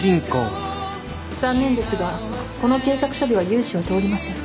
残念ですがこの計画書では融資は通りません。